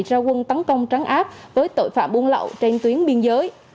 ra quân tấn công trắng áp với tội phạm buôn lậu trên tuyến biên giới